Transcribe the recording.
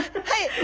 はい。